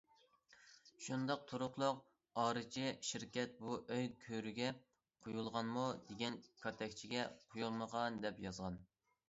شۇنداق تۇرۇقلۇق ئارىچى شىركەت بۇ ئۆي گۆرۈگە قويۇلغانمۇ دېگەن كاتەكچىگە« قويۇلمىغان» دەپ يازغان.